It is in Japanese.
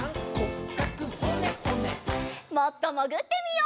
もっともぐってみよう。